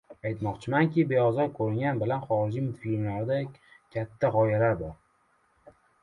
Aytmoqchimanki, beozor ko‘ringani bilan xorijiy multfilmlarda katta g‘oyalar bor.